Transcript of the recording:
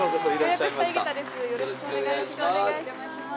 よろしくお願いします。